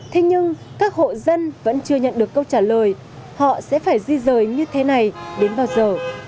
thế nhưng các hộ dân vẫn chưa nhận được câu trả lời họ sẽ phải di rời như thế này đến bao giờ